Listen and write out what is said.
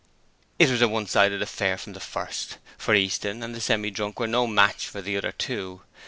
It was a one sided affair from the first, for Easton and the Semi drunk were no match for the other two.